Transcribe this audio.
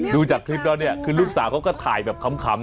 ดูจากคลิปแล้วเนี่ยคือลูกสาวเขาก็ถ่ายแบบขำ